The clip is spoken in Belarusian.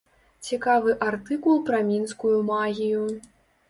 Цікавы артыкул пра мінскую магію.